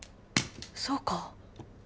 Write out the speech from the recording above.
そうか。